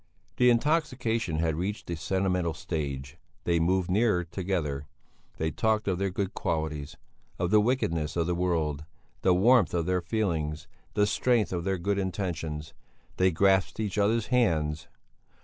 The intoxication had reached the sentimental stage; they moved nearer together; they talked of their good qualities, of the wickedness of the world, the warmth of their feelings, the strength of their good intentions; they grasped each other's hands.